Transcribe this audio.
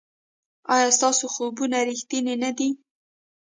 ایا ستاسو خوبونه ریښتیني نه دي؟